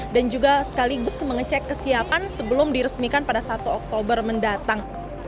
dan juga sekaligus mengecek kesiapan sebelum diresmikan pada satu oktober mendatang